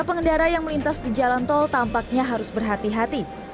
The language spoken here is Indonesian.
pengendara yang melintas di jalan tol tampaknya harus berhati hati